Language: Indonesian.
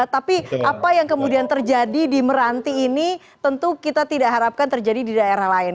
tapi apa yang kemudian terjadi di meranti ini tentu kita tidak harapkan terjadi di daerah lain